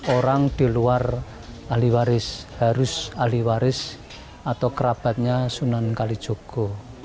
orang di luar ahli waris harus ahli waris atau kerabatnya sunan kalijogo